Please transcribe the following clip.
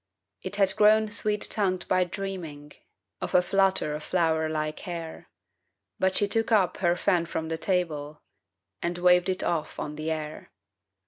It had grown sweet tongued by dreaming, Of a flutter of flower like hair; But she took up her fan from the table And waved it off on the air.